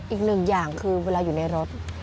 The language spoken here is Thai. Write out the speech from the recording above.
อีกหนึ่งอย่างคือเวลาอยู่ในรถ